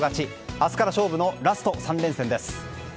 明日から勝負のラスト３連戦です。